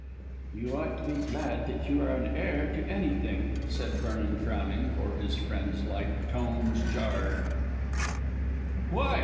"You ought to be glad that you are an heir to anything," said Vernon frowning, for his friend's light tones jarred. "Why?"